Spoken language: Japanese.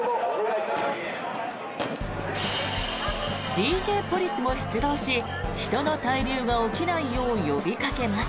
ＤＪポリスも出動し人の滞留が起きないよう呼びかけます。